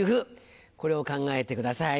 これを考えてください。